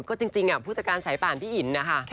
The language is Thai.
ก็จริงผู้จัดการสายป่านพี่อินนะคะ